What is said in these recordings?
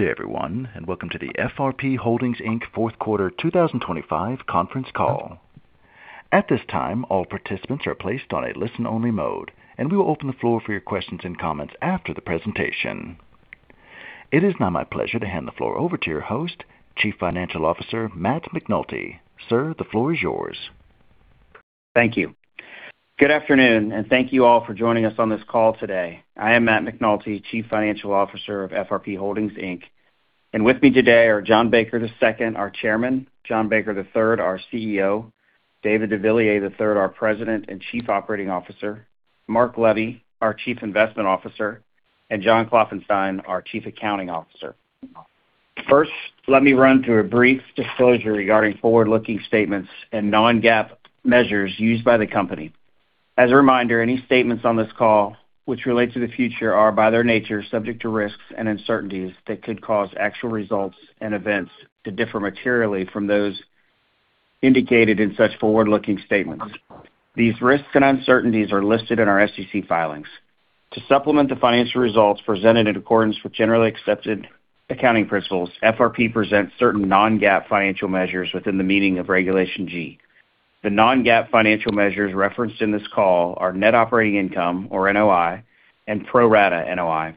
Good day, everyone, and welcome to the FRP Holdings, Inc. fourth quarter 2025 conference call. At this time, all participants are placed on a listen-only mode, and we will open the floor for your questions and comments after the presentation. It is now my pleasure to hand the floor over to your host, Chief Financial Officer Matt McNulty. Sir, the floor is yours. Thank you. Good afternoon, and thank you all for joining us on this call today. I am Matt McNulty, Chief Financial Officer of FRP Holdings, Inc. With me today are John Baker II, our Chairman, John Baker III, our CEO, David deVilliers III, our President and Chief Operating Officer, Mark Levy, our Chief Investment Officer, and John Klopfenstein, our Chief Accounting Officer. First, let me run through a brief disclosure regarding forward-looking statements and non-GAAP measures used by the company. As a reminder, any statements on this call which relate to the future are, by their nature, subject to risks and uncertainties that could cause actual results and events to differ materially from those indicated in such forward-looking statements. These risks and uncertainties are listed in our SEC filings. To supplement the financial results presented in accordance with generally accepted accounting principles, FRP presents certain non-GAAP financial measures within the meaning of Regulation G. The non-GAAP financial measures referenced in this call are net operating income, or NOI, and pro forma NOI.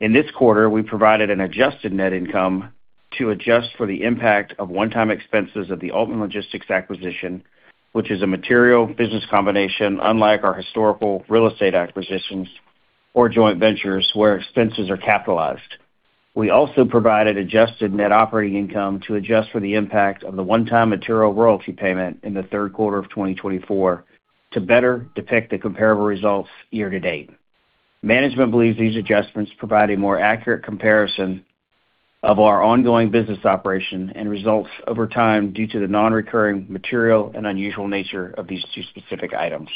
In this quarter, we provided an adjusted net income to adjust for the impact of one-time expenses of the Altman Logistics acquisition, which is a material business combination, unlike our historical real estate acquisitions or joint ventures where expenses are capitalized. We also provided adjusted net operating income to adjust for the impact of the one-time material royalty payment in the third quarter of 2024 to better depict the comparable results year-to-date. Management believes these adjustments provide a more accurate comparison of our ongoing business operation and results over time due to the non-recurring, material, and unusual nature of these two specific items.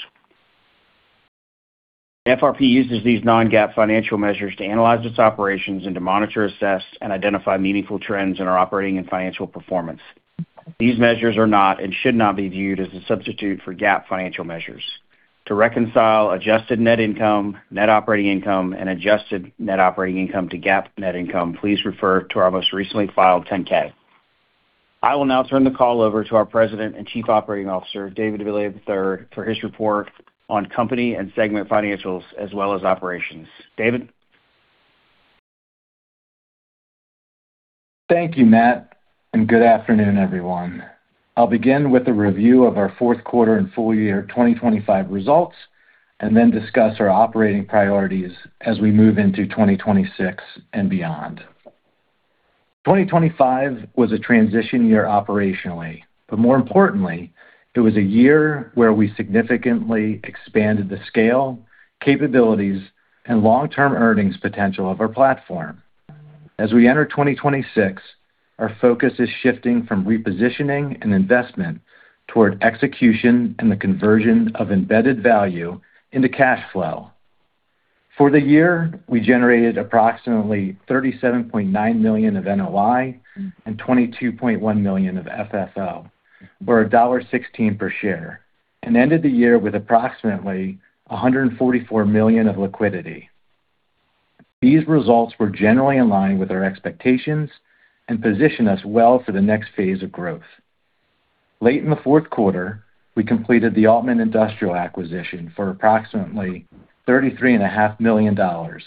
FRP uses these non-GAAP financial measures to analyze its operations and to monitor, assess, and identify meaningful trends in our operating and financial performance. These measures are not and should not be viewed as a substitute for GAAP financial measures. To reconcile adjusted net income, net operating income, and adjusted net operating income to GAAP net income, please refer to our most recently filed 10-K. I will now turn the call over to our President and Chief Operating Officer, David deVilliers III, for his report on company and segment financials as well as operations. David? Thank you, Matt, and good afternoon, everyone. I'll begin with a review of our fourth quarter and full year 2025 results and then discuss our operating priorities as we move into 2026 and beyond. 2025 was a transition year operationally, but more importantly, it was a year where we significantly expanded the scale, capabilities, and long-term earnings potential of our platform. As we enter 2026, our focus is shifting from repositioning and investment toward execution and the conversion of embedded value into cash flow. For the year, we generated approximately $37.9 million of NOI and $22.1 million of FFO, or $1.16 per share, and ended the year with approximately $144 million of liquidity. These results were generally in line with our expectations and position us well for the next phase of growth. Late in the fourth quarter, we completed the Altman Industrial acquisition for approximately thirty-three and a half million dollars,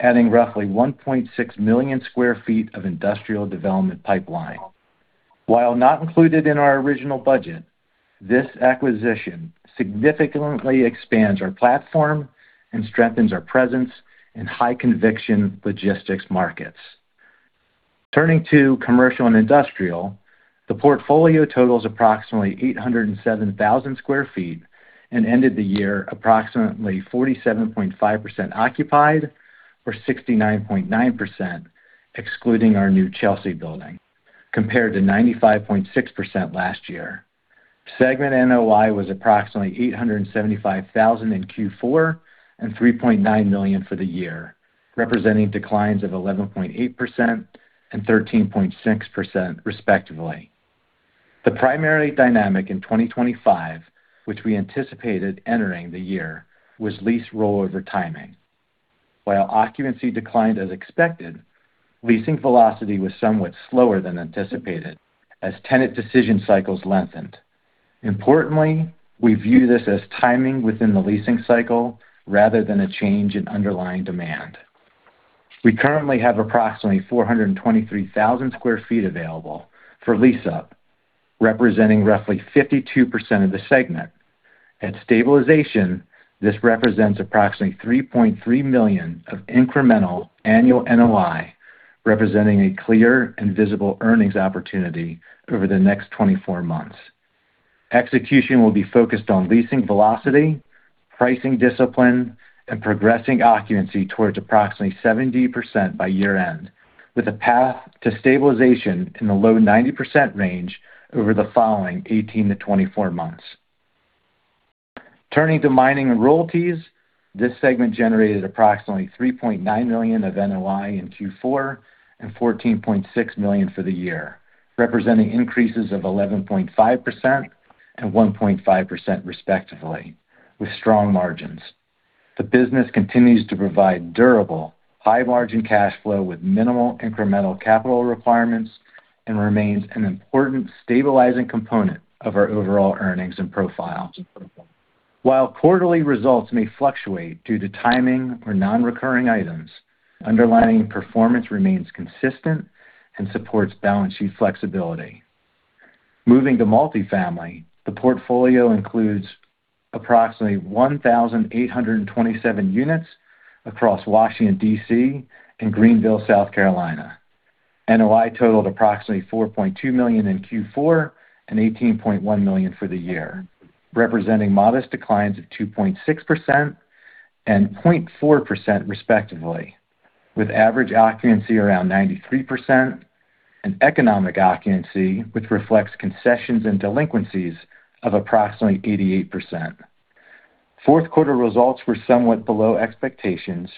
adding roughly one point six million square feet of industrial development pipeline. While not included in our original budget, this acquisition significantly expands our platform and strengthens our presence in high conviction logistics markets. Turning to commercial and industrial, the portfolio totals approximately eight hundred and seven thousand square feet and ended the year approximately forty-seven point five percent occupied or sixty-nine point nine percent excluding our new Chelsea building, compared to ninety-five point six percent last year. Segment NOI was approximately eight hundred and seventy-five thousand in Q4 and three point nine million for the year, representing declines of eleven point eight percent and thirteen point six percent respectively. The primary dynamic in 2025, which we anticipated entering the year, was lease rollover timing. While occupancy declined as expected, leasing velocity was somewhat slower than anticipated as tenant decision cycles lengthened. Importantly, we view this as timing within the leasing cycle rather than a change in underlying demand. We currently have approximately 423,000 sq ft available for lease up, representing roughly 52% of the segment. At stabilization, this represents approximately $3.3 million of incremental annual NOI, representing a clear and visible earnings opportunity over the next 24 months. Execution will be focused on leasing velocity, pricing discipline, and progressing occupancy towards approximately 70% by year-end, with a path to stabilization in the low 90% range over the following 18-24 months. Turning to Mining and Royalties, this segment generated approximately $3.9 million of NOI in Q4 and $14.6 million for the year, representing increases of 11.5% and 1.5% respectively, with strong margins. The business continues to provide durable, high-margin cash flow with minimal incremental capital requirements, and remains an important stabilizing component of our overall earnings and profile. While quarterly results may fluctuate due to timing or non-recurring items, underlying performance remains consistent and supports balance sheet flexibility. Moving to multifamily, the portfolio includes approximately 1,827 units across Washington, D.C., and Greenville, South Carolina. NOI totaled approximately $4.2 million in Q4 and $18.1 million for the year, representing modest declines of 2.6% and 0.4% respectively, with average occupancy around 93%, and economic occupancy, which reflects concessions and delinquencies, of approximately 88%. Fourth quarter results were somewhat below expectations,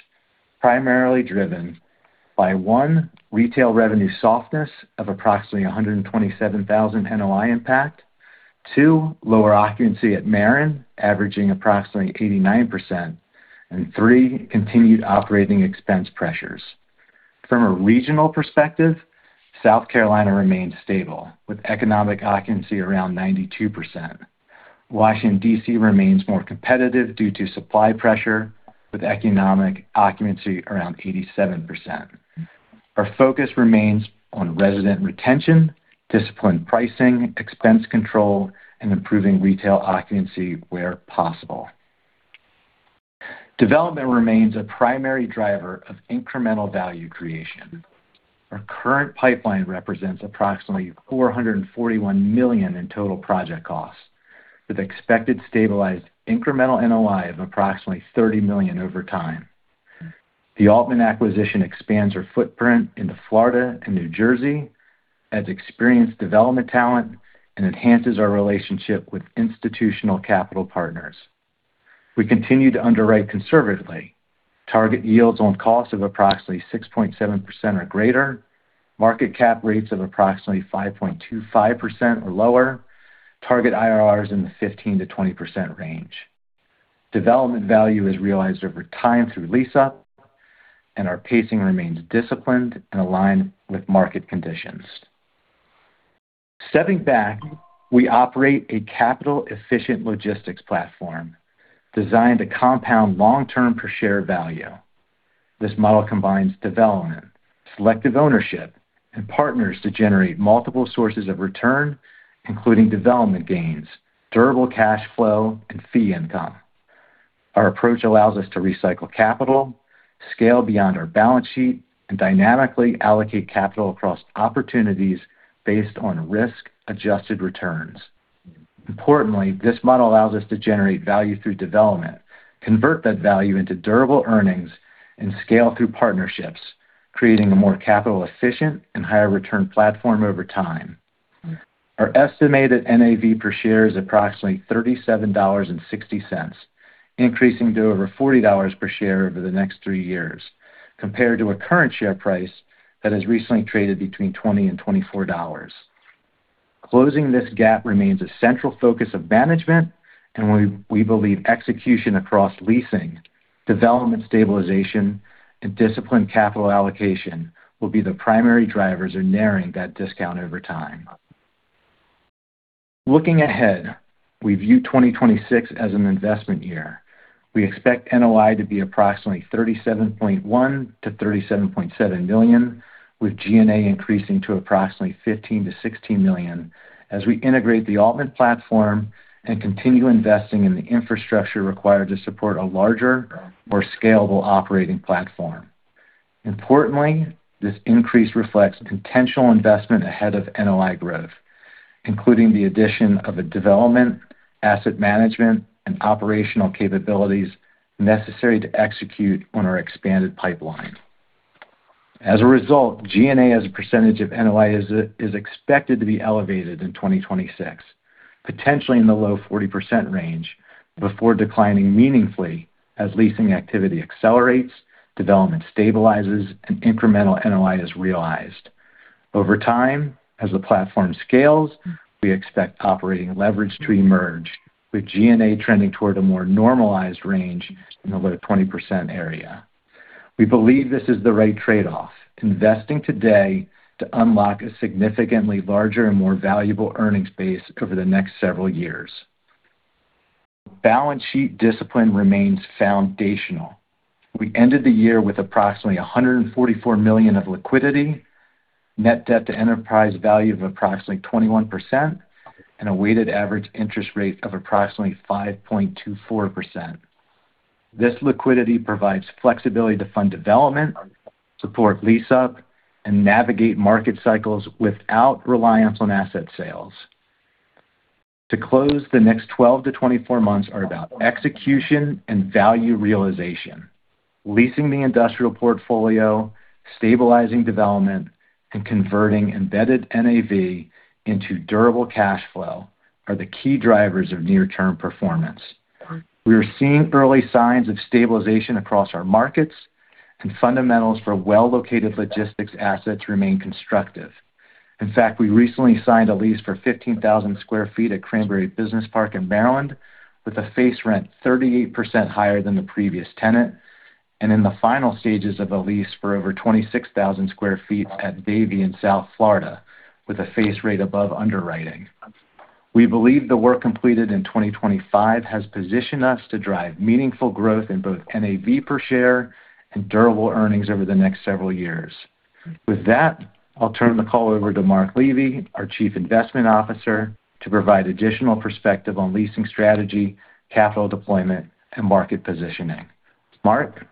primarily driven by, one, retail revenue softness of approximately $127,000 NOI impact. Two, lower occupancy at Maren, averaging approximately 89%. Three, continued operating expense pressures. From a regional perspective, South Carolina remains stable, with economic occupancy around 92%. Washington, D.C., remains more competitive due to supply pressure with economic occupancy around 87%. Our focus remains on resident retention, disciplined pricing, expense control, and improving retail occupancy where possible. Development remains a primary driver of incremental value creation. Our current pipeline represents approximately $441 million in total project costs with expected stabilized incremental NOI of approximately $30 million over time. The Altman acquisition expands our footprint into Florida and New Jersey, adds experienced development talent, and enhances our relationship with institutional capital partners. We continue to underwrite conservatively. Target yields on cost of approximately 6.7% or greater, market cap rates of approximately 5.25% or lower, target IRRs in the 15%-20% range. Development value is realized over time through lease-up, and our pacing remains disciplined and aligned with market conditions. Stepping back, we operate a capital efficient logistics platform designed to compound long-term per share value. This model combines development, selective ownership, and partners to generate multiple sources of return, including development gains, durable cash flow, and fee income. Our approach allows us to recycle capital, scale beyond our balance sheet, and dynamically allocate capital across opportunities based on risk adjusted returns. Importantly, this model allows us to generate value through development, convert that value into durable earnings, and scale through partnerships, creating a more capital efficient and higher return platform over time. Our estimated NAV per share is approximately $37.60, increasing to over $40 per share over the next three years compared to a current share price that has recently traded between $20 and $24. Closing this gap remains a central focus of management, and we believe execution across leasing, development stabilization, and disciplined capital allocation will be the primary drivers in narrowing that discount over time. Looking ahead, we view 2026 as an investment year. We expect NOI to be approximately $37.1 million-$37.7 million, with G&A increasing to approximately $15 million-$16 million as we integrate the Altman platform and continue investing in the infrastructure required to support a larger, more scalable operating platform. Importantly, this increase reflects intentional investment ahead of NOI growth, including the addition of a development, asset management, and operational capabilities necessary to execute on our expanded pipeline. As a result, G&A as a percentage of NOI is expected to be elevated in 2026, potentially in the low 40% range, before declining meaningfully as leasing activity accelerates, development stabilizes, and incremental NOI is realized. Over time, as the platform scales, we expect operating leverage to emerge, with G&A trending toward a more normalized range in the low 20% area. We believe this is the right trade-off, investing today to unlock a significantly larger and more valuable earnings base over the next several years. Balance sheet discipline remains foundational. We ended the year with approximately $144 million of liquidity, net debt to enterprise value of approximately 21%, and a weighted average interest rate of approximately 5.24%. This liquidity provides flexibility to fund development, support lease-up, and navigate market cycles without reliance on asset sales. To close, the next 12-24 months are about execution and value realization. Leasing the industrial portfolio, stabilizing development, and converting embedded NAV into durable cash flow are the key drivers of near-term performance. We are seeing early signs of stabilization across our markets. Fundamentals for well-located logistics assets remain constructive. In fact, we recently signed a lease for 15,000 sq ft at Cranberry Business Park in Maryland, with a face rent 38% higher than the previous tenant, and in the final stages of a lease for over 26,000 sq ft at Davie in South Florida with a face rate above underwriting. We believe the work completed in 2025 has positioned us to drive meaningful growth in both NAV per share and durable earnings over the next several years. With that, I'll turn the call over to Mark Levy, our Chief Investment Officer, to provide additional perspective on leasing strategy, capital deployment and market positioning. Mark?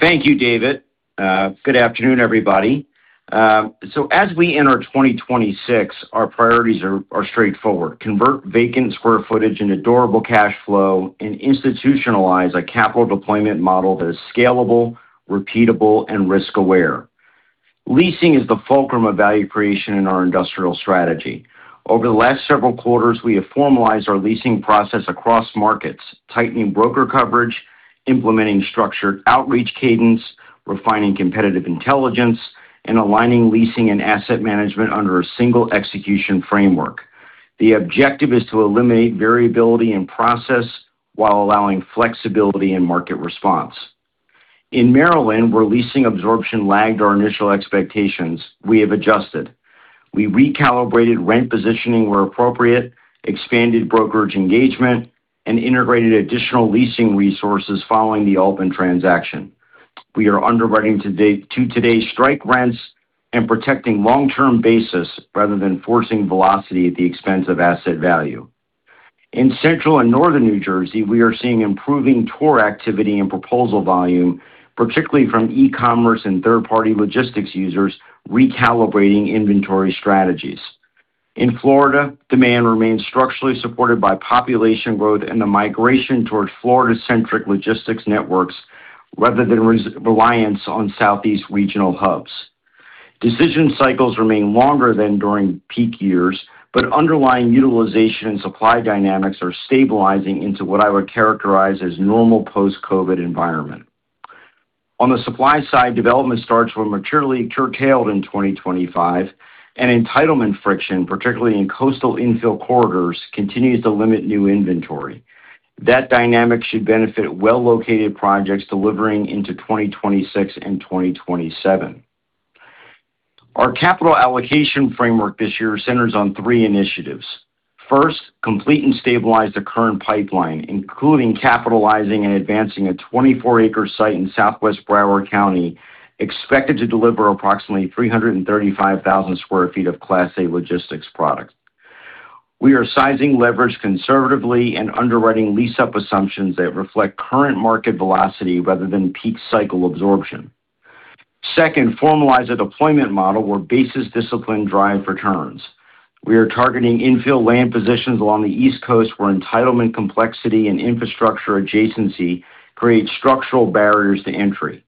Thank you, David. Good afternoon, everybody. As we enter 2026, our priorities are straightforward. Convert vacant square footage into durable cash flow and institutionalize a capital deployment model that is scalable, repeatable, and risk-aware. Leasing is the fulcrum of value creation in our industrial strategy. Over the last several quarters, we have formalized our leasing process across markets, tightening broker coverage, implementing structured outreach cadence, refining competitive intelligence, and aligning leasing and asset management under a single execution framework. The objective is to eliminate variability in process while allowing flexibility in market response. In Maryland, where leasing absorption lagged our initial expectations, we have adjusted. We recalibrated rent positioning where appropriate, expanded brokerage engagement, and integrated additional leasing resources following the Altman transaction. We are underwriting to today's strike rents and protecting long-term basis rather than forcing velocity at the expense of asset value. In Central and Northern New Jersey, we are seeing improving tour activity and proposal volume, particularly from e-commerce and third-party logistics users recalibrating inventory strategies. In Florida, demand remains structurally supported by population growth and the migration towards Florida-centric logistics networks rather than reliance on Southeast regional hubs. Decision cycles remain longer than during peak years, but underlying utilization and supply dynamics are stabilizing into what I would characterize as normal post-COVID environment. On the supply side, development starts were materially curtailed in 2025, and entitlement friction, particularly in coastal infill corridors, continues to limit new inventory. That dynamic should benefit well-located projects delivering into 2026 and 2027. Our capital allocation framework this year centers on three initiatives. First, complete and stabilize the current pipeline, including capitalizing and advancing a 24-acre site in Southwest Broward County, expected to deliver approximately 335,000 sq ft of Class A logistics product. We are sizing leverage conservatively and underwriting lease-up assumptions that reflect current market velocity rather than peak cycle absorption. Second, formalize a deployment model where basis discipline drive returns. We are targeting infill land positions along the East Coast where entitlement complexity and infrastructure adjacency create structural barriers to entry.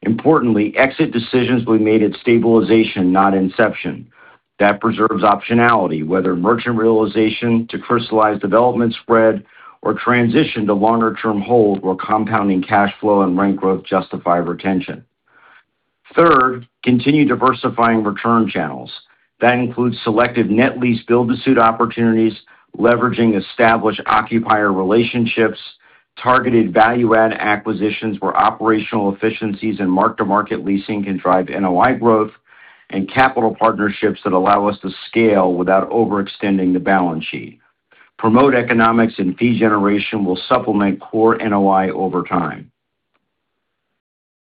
Importantly, exit decisions will be made at stabilization, not inception. That preserves optionality, whether merchant realization to crystallize development spread or transition to longer-term hold where compounding cash flow and rent growth justify retention. Third, continue diversifying return channels. That includes selective net lease build-to-suit opportunities, leveraging established occupier relationships, targeted value-add acquisitions where operational efficiencies and mark-to-market leasing can drive NOI growth, and capital partnerships that allow us to scale without overextending the balance sheet. Promote economics and fee generation will supplement core NOI over time.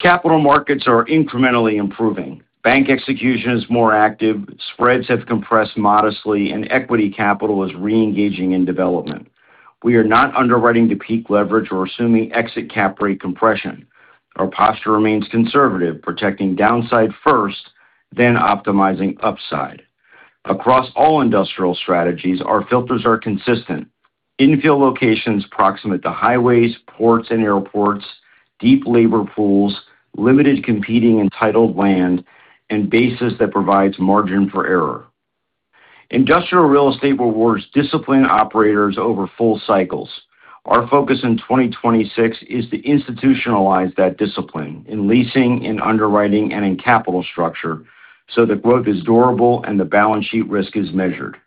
Capital markets are incrementally improving. Bank execution is more active, spreads have compressed modestly, and equity capital is re-engaging in development. We are not underwriting to peak leverage or assuming exit cap rate compression. Our posture remains conservative, protecting downside first, then optimizing upside. Across all industrial strategies, our filters are consistent. Infill locations proximate to highways, ports and airports, deep labor pools, limited competing entitled land, and basis that provides margin for error. Industrial real estate rewards disciplined operators over full cycles. Our focus in 2026 is to institutionalize that discipline in leasing, in underwriting, and in capital structure so that growth is durable and the balance sheet risk is measured.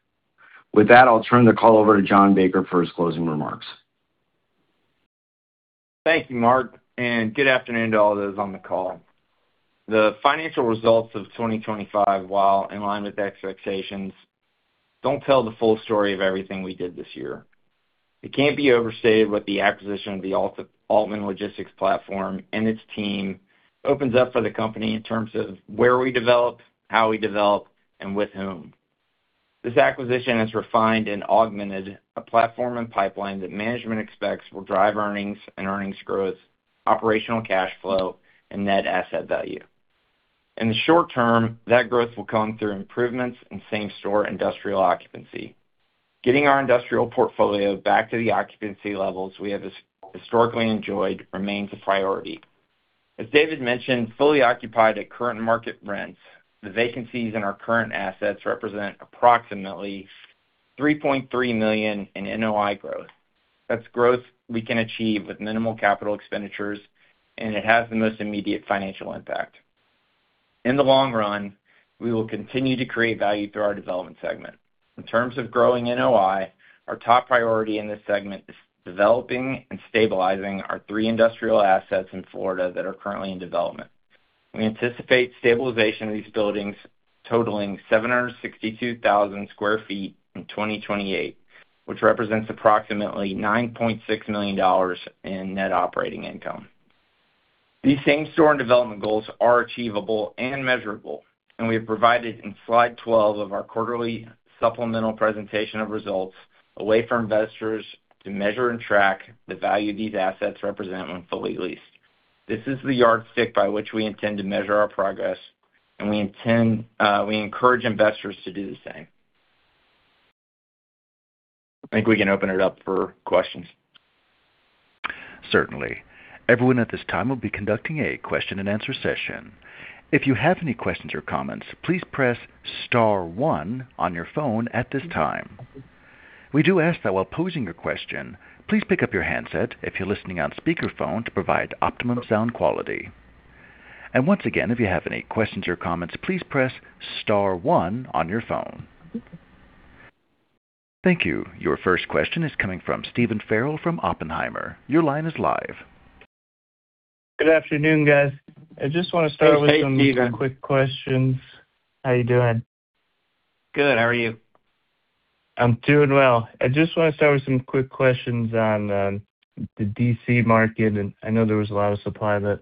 With that, I'll turn the call over to John Baker for his closing remarks. Thank you, Mark, and good afternoon to all those on the call. The financial results of 2025, while in line with expectations, don't tell the full story of everything we did this year. It can't be overstated what the acquisition of the Altman Logistics platform and its team opens up for the company in terms of where we develop, how we develop, and with whom. This acquisition has refined and augmented a platform and pipeline that management expects will drive earnings and earnings growth, operational cash flow, and net asset value. In the short term, that growth will come through improvements in same-store industrial occupancy. Getting our industrial portfolio back to the occupancy levels we have historically enjoyed remains a priority. As David mentioned, fully occupied at current market rents, the vacancies in our current assets represent approximately $3.3 million in NOI growth. That's growth we can achieve with minimal capital expenditures, and it has the most immediate financial impact. In the long run, we will continue to create value through our Development segment. In terms of growing NOI, our top priority in this segment is developing and stabilizing our three industrial assets in Florida that are currently in development. We anticipate stabilization of these buildings totaling 762,000 sq ft in 2028, which represents approximately $9.6 million in net operating income. These same-store and development goals are achievable and measurable, and we have provided in Slide 12 of our Quarterly Supplemental Presentation of Results, a way for investors to measure and track the value these assets represent when fully leased. This is the yardstick by which we intend to measure our progress, and we encourage investors to do the same. I think we can open it up for questions. Certainly. Everyone at this time will be conducting a question-and-answer session. If you have any questions or comments, please press star one on your phone at this time. We do ask that while posing your question, please pick up your handset if you're listening on speakerphone to provide optimum sound quality. Once again, if you have any questions or comments, please press star one on your phone. Thank you. Your first question is coming from Stephen Farrell from Oppenheimer. Your line is live. Good afternoon, guys. I just want to start with some- Hey, Stephen. Quick questions. How are you doing? Good. How are you? I'm doing well. I just want to start with some quick questions on the D.C. market, and I know there was a lot of supply that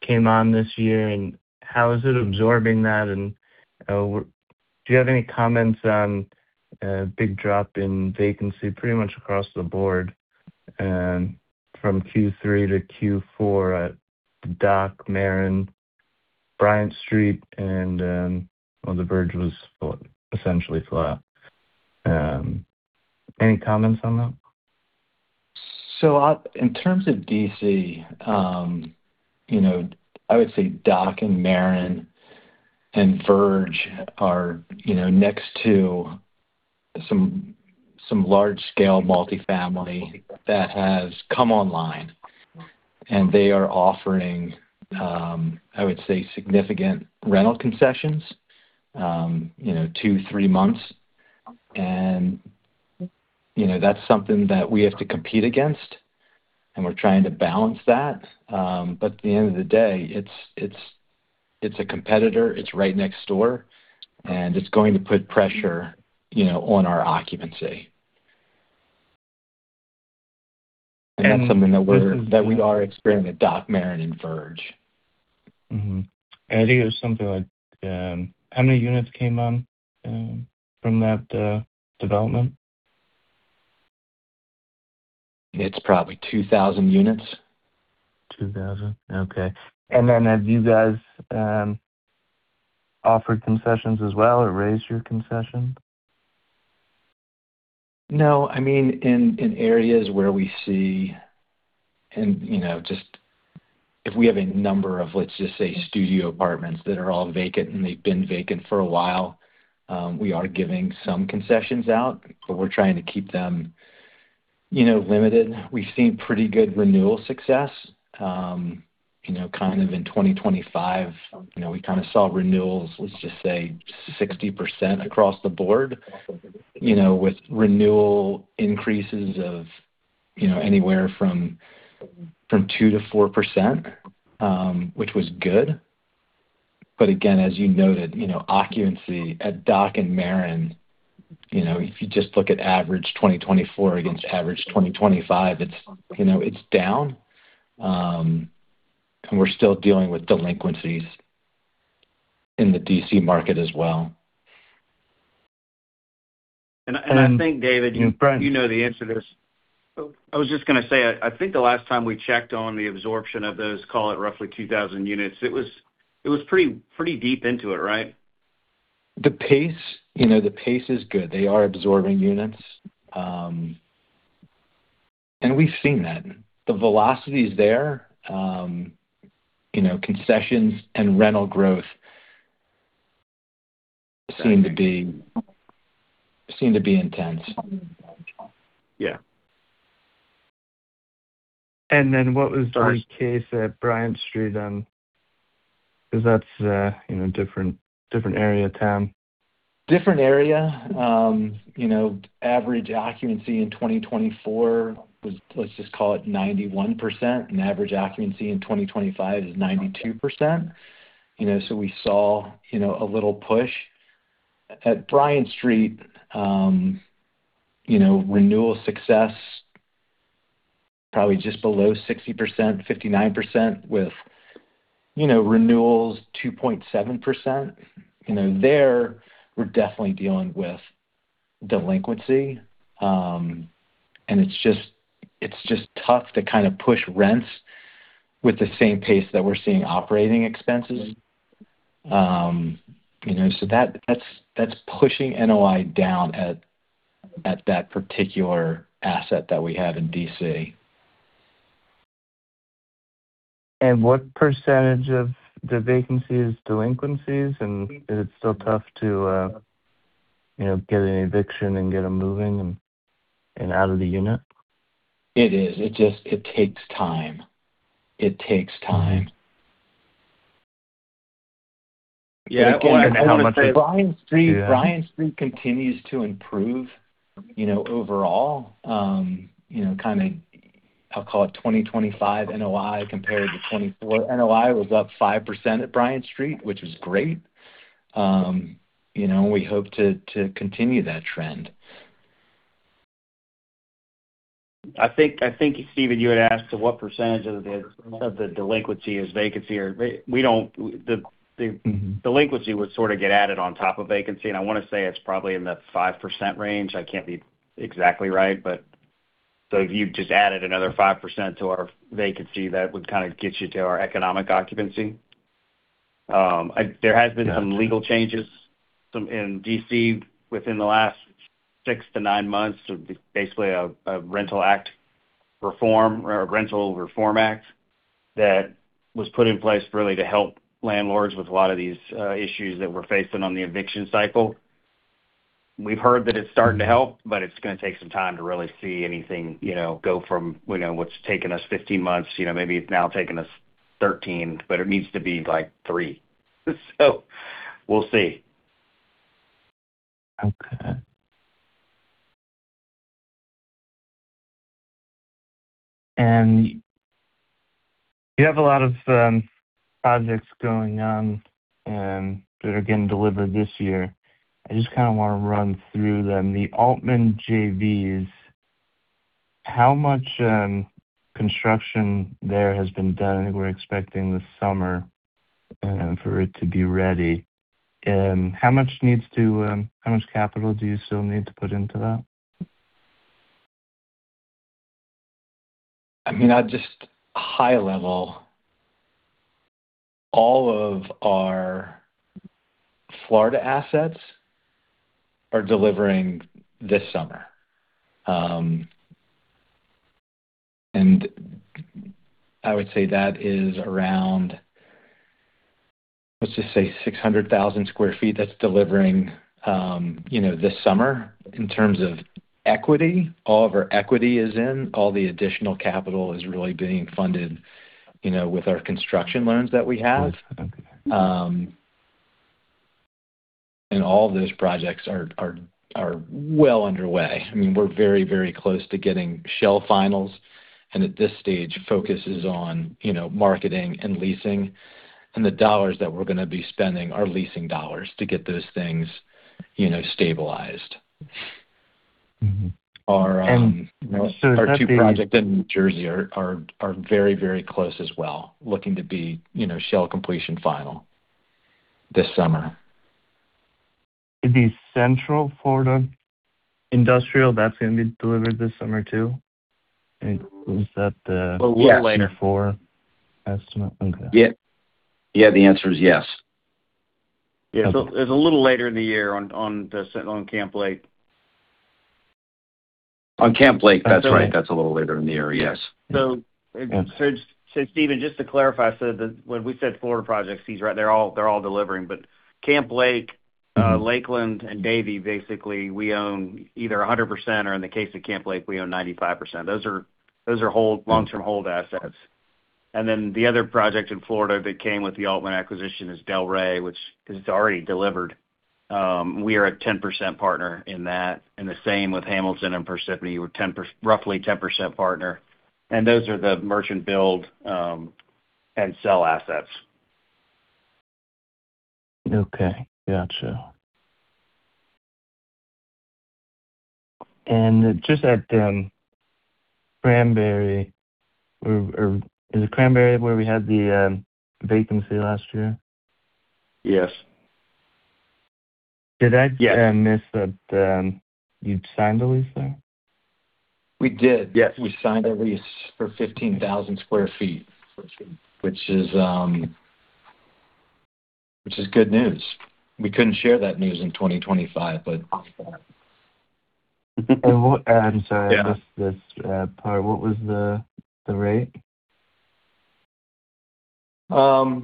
came on this year. How is it absorbing that? Do you have any comments on a big drop in vacancy pretty much across the board from Q3 to Q4 at Dock, Maren, Bryant Street, and then, well, the Verge was essentially flat? Any comments on that? In terms of D.C., I would say Dock and Maren and Verge are next to some large-scale multifamily that has come online, and they are offering, I would say, significant rental concessions, two-three months. That's something that we have to compete against, and we're trying to balance that. At the end of the day, it's a competitor, it's right next door, and it's going to put pressure on our occupancy. That's something that we are experiencing at Dock, Maren, and Verge. Mm-hmm. I think it was something like, how many units came on from that development? It's probably 2,000 units. 2,000. Okay. Have you guys offered concessions as well or raised your concessions? No. In areas where we see, and if we have a number of, let's just say, studio apartments that are all vacant and they've been vacant for a while, we are giving some concessions out, but we're trying to keep them limited. We've seen pretty good renewal success. Kind of in 2025, we kind of saw renewals, let's just say, 60% across the board with renewal increases of anywhere from 2%-4%, which was good. Again, as you noted, occupancy at Dock and Maren, if you just look at average 2024 against average 2025, it's down. We're still dealing with delinquencies in the D.C. market as well. I think, David, you know the answer to this. I was just going to say, I think the last time we checked on the absorption of those, call it roughly 2,000 units, it was pretty deep into it, right? The pace is good. They are absorbing units. We've seen that. The velocity is there. Concessions and rental growth seem to be intense. Yeah. What was the case at Bryant Street then, because that's a different area of town? Different area. Average occupancy in 2024 was, let's just call it 91%, and average occupancy in 2025 is 92%. We saw a little push. At Bryant Street, renewal success probably just below 60%, 59% with renewals 2.7%. There, we're definitely dealing with delinquency, and it's just tough to kind of push rents with the same pace that we're seeing operating expenses. That's pushing NOI down at that particular asset that we have in D.C. What percentage of the vacancy is delinquencies? Is it still tough to get an eviction and get them moving and out of the unit? It is. It takes time. Yeah. Again, Bryant Street continues to improve overall. I'll call it 2025 NOI compared to 2024 NOI, was up 5% at Bryant Street, which is great. We hope to continue that trend. I think, Stephen, you had asked what % of the delinquency is vacancy. The delinquency would sort of get added on top of vacancy, and I want to say it's probably in the 5% range. I can't be exactly right. If you just added another 5% to our vacancy, that would kind of get you to our economic occupancy. There have been some legal changes in D.C. within the last six to nine months, basically a rental reform act that was put in place really to help landlords with a lot of these issues that we're facing on the eviction cycle. We've heard that it's starting to help, but it's going to take some time to really see anything go from what's taken us 15 months, maybe it's now taking us 13, but it needs to be like three. We'll see. Okay. You have a lot of projects going on that are getting delivered this year. I just kind of want to run through them. The Altman JVs, how much construction there has been done? We're expecting this summer for it to be ready. How much capital do you still need to put into that? Just high level, all of our Florida assets are delivering this summer. I would say that is around, let's just say 600,000 sq ft that's delivering this summer. In terms of equity, all of our equity is in. All the additional capital is really being funded with our construction loans that we have. Okay. All those projects are well underway. We're very close to getting shell finals, and at this stage, focus is on marketing and leasing, and the dollars that we're going to be spending are leasing dollars to get those things stabilized. Mm-hmm. Our two projects in New Jersey are very close as well, looking to be shell completion final this summer. The Central Florida industrial, that's going to be delivered this summer, too? A little later. Four estimate? Okay. Yeah. The answer is yes. Yeah. It's a little later in the year on Cranberry. On Camp Lake, that's right. That's a little later in the year. Yes. Stephen, just to clarify, when we said Florida projects, he's right, they're all delivering. Camp Lake, Lakeland, and Davie, basically, we own either 100%, or in the case of Camp Lake, we own 95%. Those are long-term hold assets. The other project in Florida that came with the Altman acquisition is Delray, which is already delivered. We are a 10% partner in that, and the same with Hamilton and Parsippany. We're roughly a 10% partner. Those are the merchant build and sell assets. Okay. Got you. Just at Cranberry, is it Cranberry where we had the vacancy last year? Yes. Did I miss that you'd signed the lease there? We did. Yes. We signed a lease for 15,000 sq ft, which is good news. We couldn't share that news in 2025. I'm sorry, I missed this part. What was the rate? I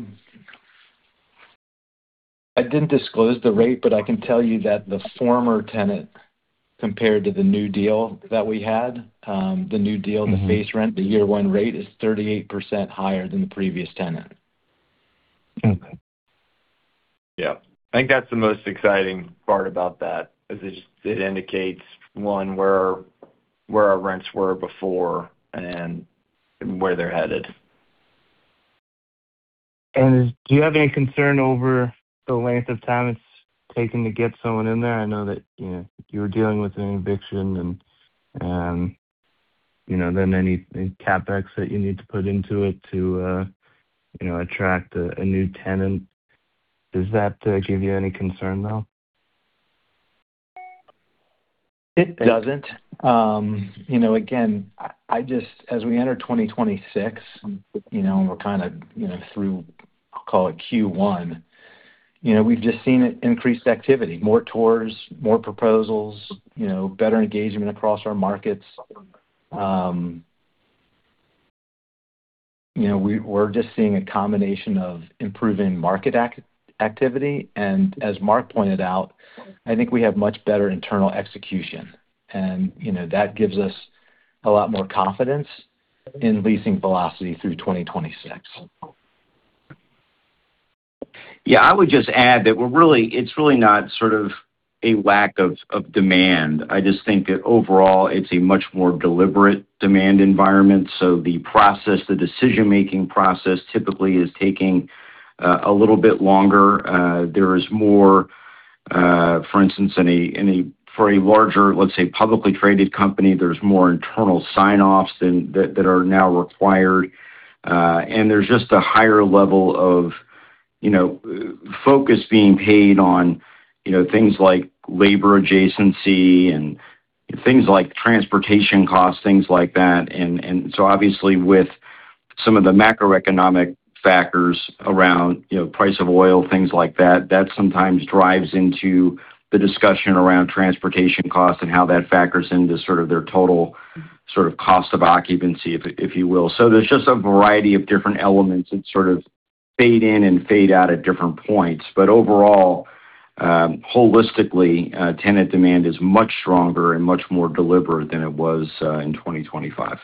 didn't disclose the rate. I can tell you that the former tenant, compared to the new deal, the year one rate is 38% higher than the previous tenant. Okay. Yeah. I think that's the most exciting part about that is it indicates, one, where our rents were before and where they're headed. Do you have any concern over the length of time it's taken to get someone in there? I know that you were dealing with an eviction and then any CapEx that you need to put into it to attract a new tenant. Does that give you any concern, though? It doesn't. Again, as we enter 2026, and we're kind of through, call it Q1, we've just seen increased activity, more tours, more proposals, better engagement across our markets. We're just seeing a combination of improving market activity, and as Mark pointed out, I think we have much better internal execution, and that gives us a lot more confidence in leasing velocity through 2026. Yeah. I would just add that it's really not sort of a lack of demand. I just think that overall it's a much more deliberate demand environment. The decision-making process typically is taking a little bit longer. For instance, for a larger, let's say, publicly traded company, there's more internal sign-offs that are now required. There's just a higher level of focus being paid on things like labor adjacency and things like transportation costs, things like that. Obviously with some of the macroeconomic factors around price of oil, things like that sometimes drives into the discussion around transportation cost and how that factors into sort of their total sort of cost of occupancy, if you will. There's just a variety of different elements that sort of fade in and fade out at different points. Overall, holistically, tenant demand is much stronger and much more deliberate than it was in 2025.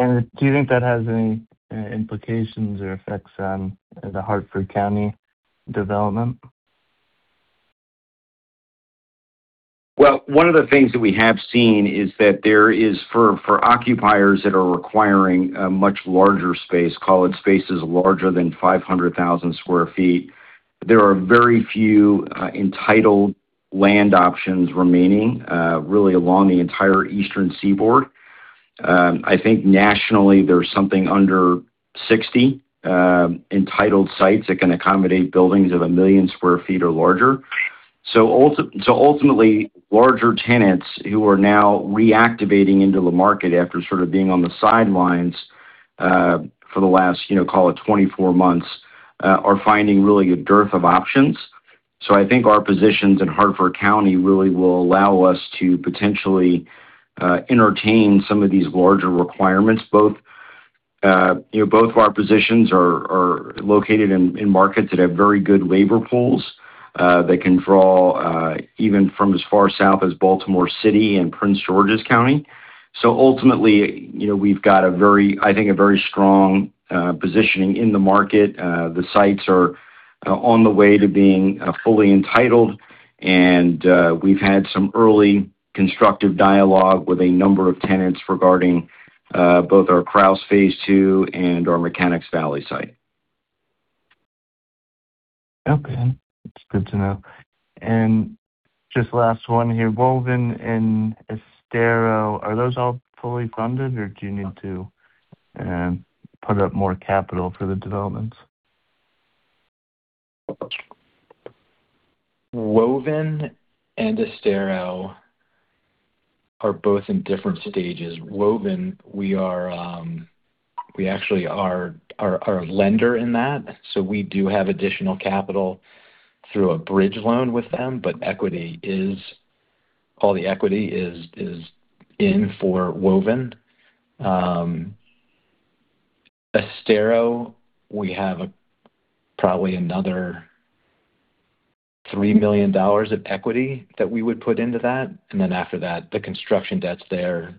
Do you think that has any implications or effects on the Harford County development? Well, one of the things that we have seen is that there is, for occupiers that are requiring a much larger space, call it spaces larger than 500,000 sq ft, there are very few entitled land options remaining really along the entire Eastern Seaboard. I think nationally there's something under 60 entitled sites that can accommodate buildings of a million sq ft or larger. Ultimately, larger tenants who are now reactivating into the market after sort of being on the sidelines, for the last call it 24 months, are finding really a dearth of options. I think our positions in Harford County really will allow us to potentially entertain some of these larger requirements. Both our positions are located in markets that have very good labor pools, that can draw even from as far south as Baltimore City and Prince George's County. Ultimately, we've got, I think, a very strong positioning in the market. The sites are on the way to being fully entitled, and we've had some early constructive dialogue with a number of tenants regarding both our Crouse Phase two and our Mechanics Valley site. Okay. That's good to know. Just last one here, Woven and Estero, are those all fully funded, or do you need to put up more capital for the developments? Woven and Estero are both in different stages. Woven, we actually are a lender in that, so we do have additional capital through a bridge loan with them, but all the equity is in for Woven. Estero, we have probably another $3 million of equity that we would put into that, and then after that, the construction debt's there.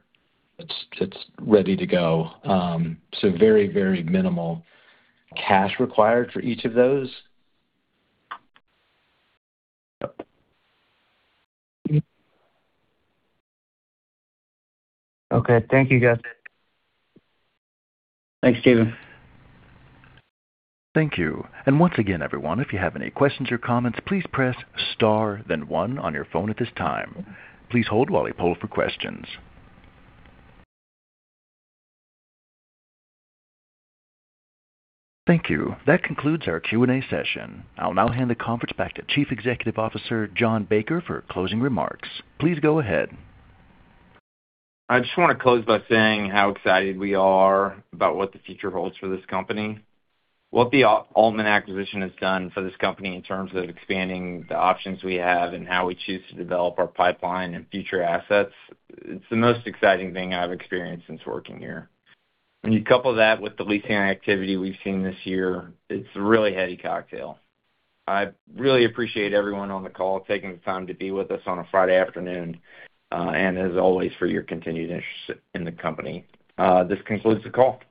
It's ready to go. Very minimal cash required for each of those. Okay, thank you, guys. Thanks, Stephen. Thank you. Once again, everyone, if you have any questions or comments, please press star then one on your phone at this time. Please hold while we poll for questions. Thank you. That concludes our Q&A session. I'll now hand the conference back to Chief Executive Officer John D. Baker III for closing remarks. Please go ahead. I just want to close by saying how excited we are about what the future holds for this company. What the Altman acquisition has done for this company in terms of expanding the options we have and how we choose to develop our pipeline and future assets, it's the most exciting thing I've experienced since working here. When you couple that with the leasing activity we've seen this year, it's a really heady cocktail. I really appreciate everyone on the call taking the time to be with us on a Friday afternoon, and as always, for your continued interest in the company. This concludes the call.